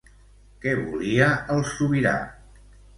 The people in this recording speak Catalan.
Què volia el sobirà?